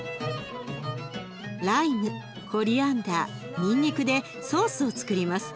ライムコリアンダーにんにくでソースをつくります。